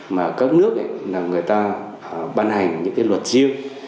mà các nước là người ta ban hành những cái luật riêng